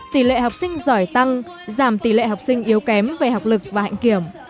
tỷ lệ học sinh giỏi tăng giảm tỷ lệ học sinh yếu kém về học lực và hạnh kiểm